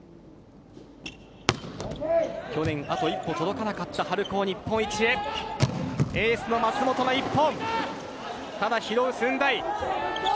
去年、あと一歩届かなかった春高日本一へエースの舛本の１本。